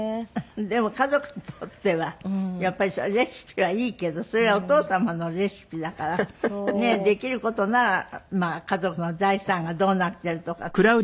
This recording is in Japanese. でも家族にとってはやっぱりレシピはいいけどそれはお父様のレシピだからねえできる事なら家族の財産がどうなっているとかさ。